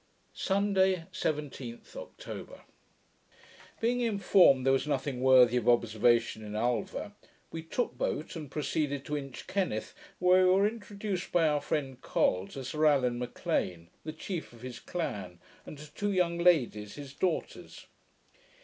Sunday, 17th October Being informed that there was nothing worthy of observation in Ulva, we took boat, and proceeded to Inchkenneth, where we were introduced by our friend Col to Sir Allan M'Lean, the chief of his clan, and to two young ladies, his daughters.